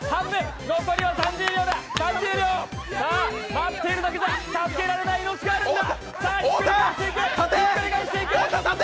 待っているだけじゃ助けられない命があるんだ！